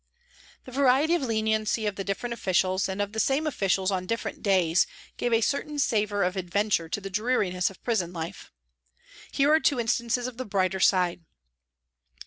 The variety of leniency of the different officials, and of the same officials on different days, gave a certain savour of adventure to the dreariness of prison life. Here are two instances of the brighter side.